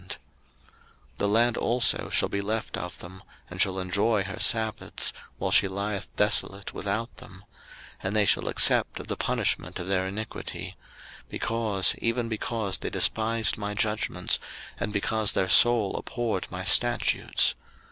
03:026:043 The land also shall be left of them, and shall enjoy her sabbaths, while she lieth desolate without them: and they shall accept of the punishment of their iniquity: because, even because they despised my judgments, and because their soul abhorred my statutes.